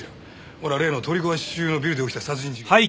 ほら例の取り壊し中のビルで起きた殺人事件の。